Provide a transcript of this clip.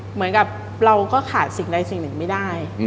เหมือนกับเราก็ขาดสิ่งใดสิ่งหนึ่งไม่ได้